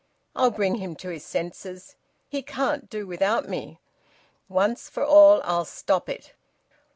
I'll bring him to his senses. He can't do without me. Once for all I'll stop it.